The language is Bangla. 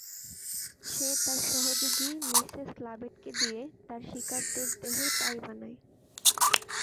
সে তার সহযোগী মিসেস লাভেট-কে দিয়ে তার শিকারদের দেহের পাই বানায়।